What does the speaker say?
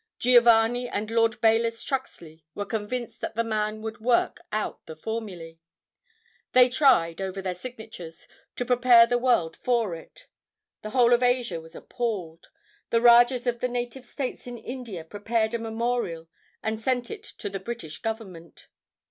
Giovanni and Lord Bayless Truxley were convinced that the man would work out the formulae. They tried, over their signatures, to prepare the world for it. The whole of Asia was appalled. The rajahs of the native states in India prepared a memorial and sent it to the British Government.